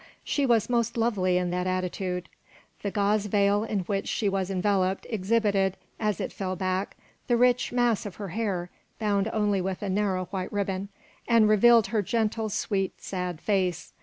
She was most lovely in that attitude. The gauze veil in which she was enveloped exhibited, as it fell back, the rich mass of her hair bound with a narrow white ribbon, and revealed her gentle, sweet, sad face.